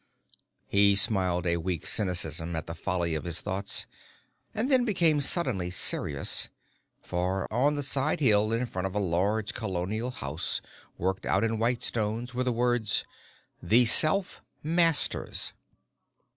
He smiled with weak cynicism at the folly of his thoughts, and then became suddenly serious, for on the side hill in front of a large colonial house, worked out in white stone, were the words "The Self Masters."